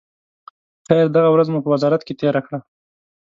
خیر، دغه ورځ مو په وزارت کې تېره کړه.